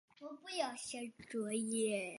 石山棕为棕榈科石山棕属下的一个种。